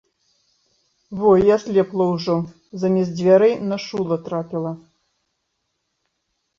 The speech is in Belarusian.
Во і аслепла ўжо, замест дзвярэй на шула трапіла.